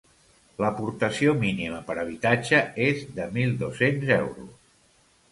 L'aportació mínima per habitatge és de mil dos-cents euros.